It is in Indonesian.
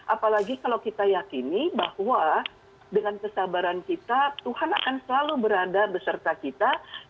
apalagi kalau kita yakini bahwa dengan kesabaran kita tuhan akan selalu berada beserta kita